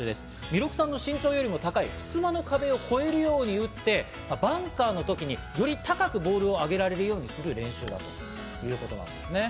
弥勒さんの身長よりも高い襖の壁を越えるように打って、バンカーの時に、より高くボールを上げられるようにする練習なんです。